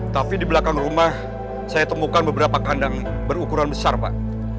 tapi di belakang rumah saya temukan beberapa kandang berukuran besar pak